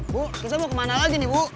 bu kita mau kemana lagi nih bu